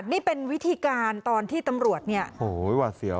นี่เป็นวิธีการตอนที่ตำรวจนี่